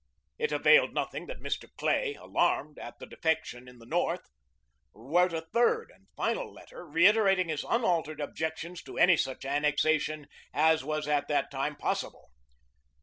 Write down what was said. It availed nothing that Mr. Clay, alarmed at the defection in the North, wrote a third and final letter, reiterating his unaltered objections to any such annexation as was at that time possible.